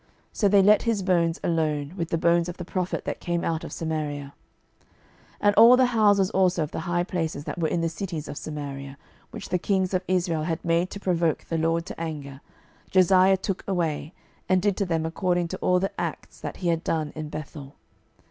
So they let his bones alone, with the bones of the prophet that came out of Samaria. 12:023:019 And all the houses also of the high places that were in the cities of Samaria, which the kings of Israel had made to provoke the Lord to anger, Josiah took away, and did to them according to all the acts that he had done in Bethel.